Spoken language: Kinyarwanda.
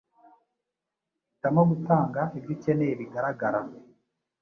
Hitamo gutanga ibyo ukeneye bigaragara,